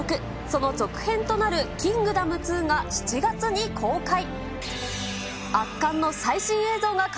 その続編となるキングダム２が７月に公開。